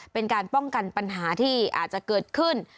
เป็นการป้องกันปัญหาที่อาจจะเกิดขึ้น